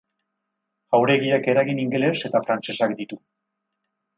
Jauregiak eragin ingeles eta frantsesak ditu.